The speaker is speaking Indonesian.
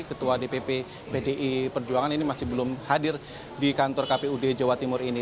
ketua dpp pdi perjuangan ini masih belum hadir di kantor kpud jawa timur ini